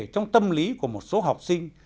trong tâm lý của một số học sinh